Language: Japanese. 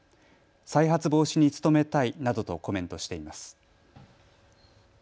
再発防止に努めたいなどとコメントしています。